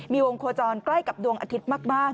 มีวงโคจรใกล้กับดวงอาทิตย์มาก